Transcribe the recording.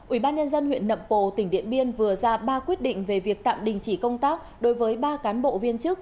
ủy ban nhân dân huyện nậm pồ tỉnh điện biên vừa ra ba quyết định về việc tạm đình chỉ công tác đối với ba cán bộ viên chức